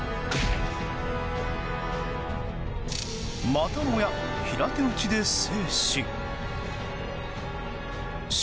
またもや平手打ちで制し。